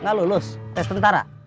nggak lulus tes tentara